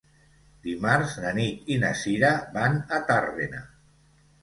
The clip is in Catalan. Dimarts na Nit i na Cira van a Tàrbena.